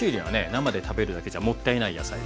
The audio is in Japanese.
生で食べるだけじゃもったいない野菜ですね。